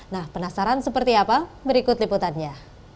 nah penasaran seperti apa berikut liputannya